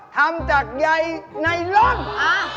ทำจากใยไนลอน